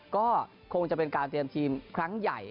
ก็คงจะเป็นการเตรียมทีมครั้งใหญ่